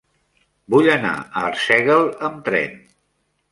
Vull anar a Arsèguel amb tren.